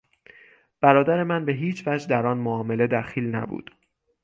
برادر من به هیچ وجه در آن معامله دخیل نبود.